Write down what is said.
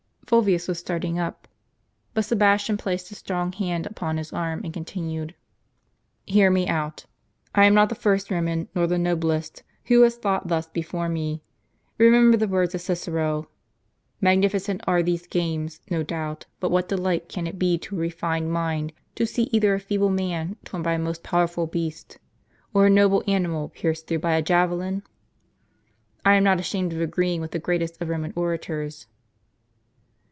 Fiil vius Avas starting up ; but Sebastian placed his strong hand upon his arm, and continued : "Hear me out. I am not the first Eoman, nor the noblest, who has thought thus before me. Eemember the words of Cicero :' Magnificent are these games, no doubt ; but what delight can it be to a refined mind to see either a feeble man torn by a most powerful beast, or a noble animal pierced through by a javelin? '* I am not ashamed of agreeing with the greatest of Roman orators."